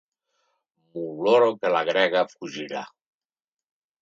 M'oloro que la grega fugirà.